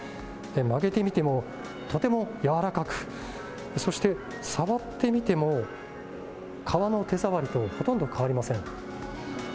曲げてみても、とても軟らかく、そして触ってみても革の手触りとほとんど変わりません。